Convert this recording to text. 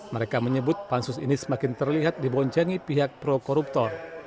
mereka menyebut pansus ini semakin terlihat diboncengi pihak pro koruptor